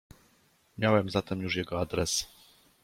"Miałem zatem już jego adres."